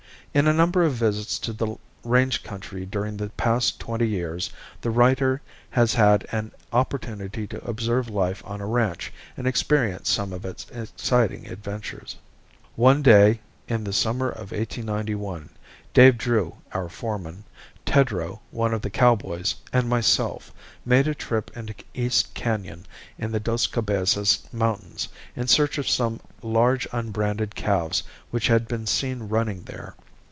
In a number of visits to the range country during the past twenty years, the writer has had an opportunity to observe life on a ranch, and experience some of its exciting adventures. One day in the summer of 1891, Dave Drew, our foreman, Tedrow, one of the cowboys, and myself, made a trip into East Canon in the Dos Cabezas mountains, in search of some large unbranded calves which had been seen running there.